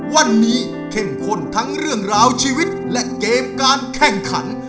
วันนี้เข้มข้นทั้งเรื่องราวชีวิตและเกมการแข่งขัน